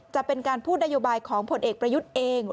จะเป็นการพูดนโยบายของผลเอกประยุทธ์เอง